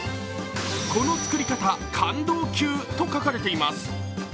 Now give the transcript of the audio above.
「この作り方、感動級」と書かれています。